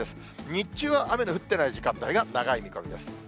日中は雨の降ってない時間帯が長い見込みです。